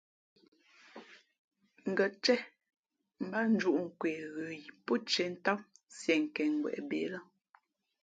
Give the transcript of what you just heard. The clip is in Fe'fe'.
Ngα̌ céh mbát njūʼ nkwe ghə yi pó tiē ntám nsienkěngweʼ bê le.